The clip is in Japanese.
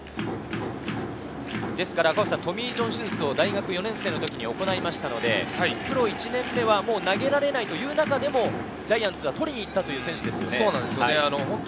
トミー・ジョン手術を大学４年生の時に行いましたので、プロ１年目は投げられないという中でも、ジャイアンツは取りにいったという選手ですよね。